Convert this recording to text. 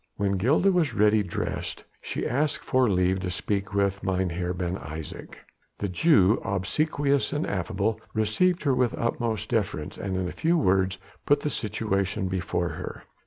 When Gilda was ready dressed, she asked for leave to speak with Mynheer Ben Isaje. The Jew, obsequious and affable, received her with utmost deference, and in a few words put the situation before her.